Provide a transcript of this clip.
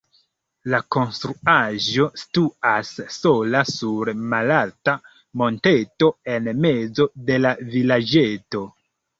La konstruaĵo situas sola sur malalta monteto en mezo de la vilaĝeto.